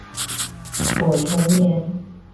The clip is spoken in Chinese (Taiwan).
火成岩